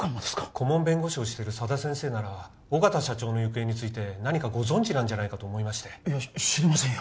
顧問弁護士をしてる佐田先生なら緒方社長の行方について何かご存じではないかと思いましていや知りませんよ